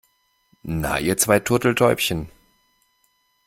Na, ihr zwei Turteltäubchen.